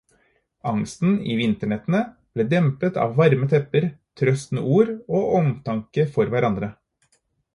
Angsten i vinternettene ble dempet av varme tepper, trøstende ord og omtanke for hverandre.